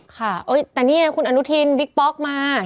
ค่ะเอ้ยแต่เนี่ยคุณอนุทีนวิกป๊อกมาเห็นไหม